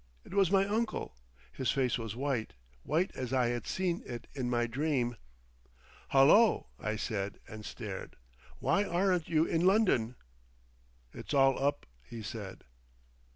It was my uncle. His face was white—white as I had seen it in my dream. "Hullo!" I said, and stared. "Why aren't you in London?" "It's all up," he said....